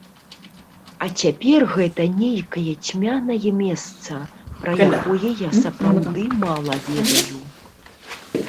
А цяпер гэта нейкае цьмянае месца, пра якое я сапраўды мала ведаю.